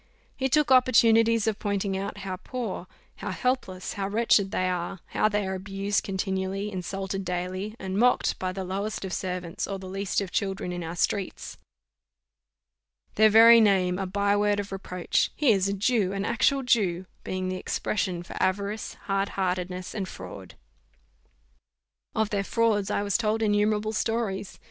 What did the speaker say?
He took opportunities of pointing out how poor, how helpless, how wretched they are; how they are abused continually, insulted daily, and mocked by the lowest of servants, or the least of children in our streets; their very name a by word of reproach: "He is a Jew an actual Jew," being the expression for avarice, hard heartedness, and fraud. Of their frauds I was told innumerable stories.